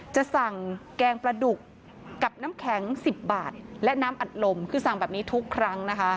จะสั่งแกงปลาดุกกับน้ำแข็ง๑๐บาทและน้ำอัดลมคือสั่งแบบนี้ทุกครั้งนะคะ